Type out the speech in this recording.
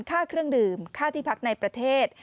ค่าเครื่องดื่มค่าที่พักในประเทศ